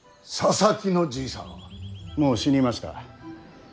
もう死にました。